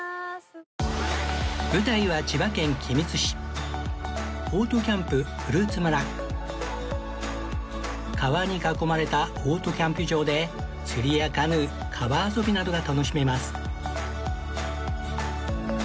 舞台は千葉県君津市川に囲まれたオートキャンプ場で釣りやカヌー川遊びなどが楽しめます